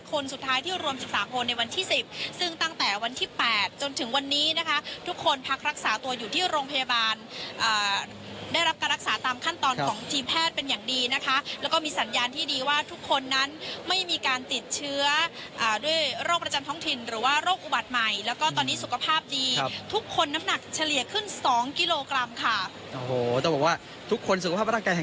คนสุดท้ายที่รวม๑๓คนในวันที่๑๐ซึ่งตั้งแต่วันที่๘จนถึงวันนี้นะคะทุกคนพักรักษาตัวอยู่ที่โรงพยาบาลได้รับการรักษาตามขั้นตอนของทีมแพทย์เป็นอย่างดีนะคะแล้วก็มีสัญญาณที่ดีว่าทุกคนนั้นไม่มีการติดเชื้อด้วยโรคประจำท้องถิ่นหรือว่าโรคอุบัติใหม่แล้วก็ตอนนี้สุขภาพดีทุกคนน้ำหนักเฉ